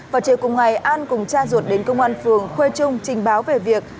vào chiều cùng ngày an cùng cha ruột đến công an phường khuê trung trình báo về việc